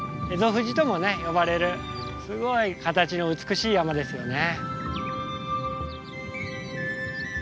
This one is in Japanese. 富士とも呼ばれるすごい形の美しい山ですよね。